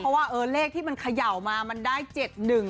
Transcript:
เพราะว่าเลขที่มันเขย่ามามันได้๗๑